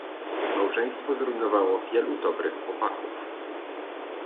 Małżeństwo zrujnowało wielu dobrych chłopaków.